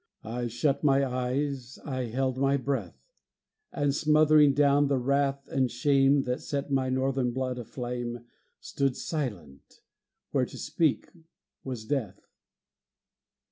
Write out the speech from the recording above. I shut my eyes, I held my breath, And, smothering down the wrath and shame That set my Northern blood aflame, Stood silent, where to speak was death.